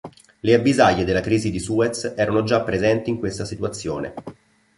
Le avvisaglie della crisi di Suez erano già presenti in questa situazione.